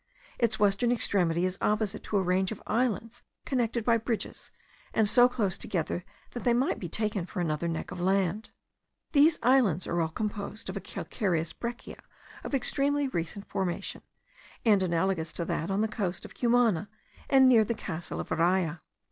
Its western extremity is opposite to a range of islands connected by bridges, and so close together that they might be taken for another neck of land. These islands are all composed of a calcareous breccia of extremely recent formation, and analagous to that on the coast of Cumana, and near the castle of Araya.